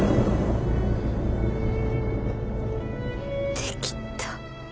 できた。